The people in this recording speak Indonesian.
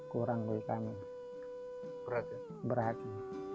kurang bagi kami berharga